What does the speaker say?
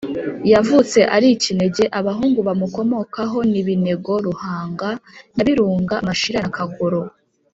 Yavutse ari ikinege, abahungu bamukomokaho ni Binego, Ruhanga, Nyabirunga Mashira na Kagoro.